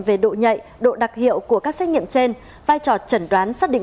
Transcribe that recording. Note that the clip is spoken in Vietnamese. về độ nhạy độ đặc hiệu của các xét nghiệm trên vai trò chẩn đoán xác định